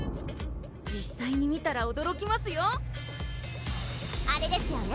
実際に見たらおどろきますよあれですよね？